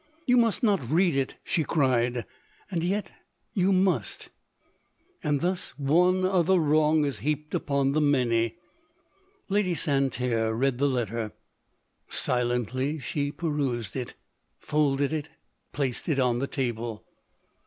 " You must not read it," she cried ;—" and yet you must ;— and thus one other wrong is heaped upon the many." Lady Santerre read the letter ; silently she perused it — folded it — placed it on the table.